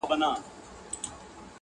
خو ذهنونه نه ارامېږي هېڅکله,